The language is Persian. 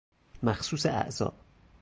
مخصوص اعضاء